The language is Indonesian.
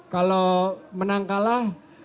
kalau menang kalah